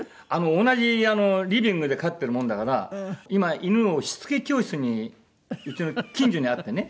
同じリビングで飼ってるもんだから今犬をしつけ教室にうちの近所にあってね